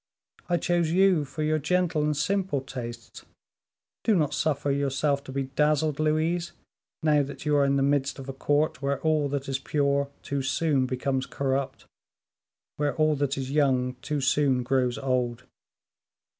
I chose you for your gentle and simple tastes. Do not suffer yourself to be dazzled, Louise, now that you are in the midst of a court where all that is pure too soon becomes corrupt where all that is young too soon grows old.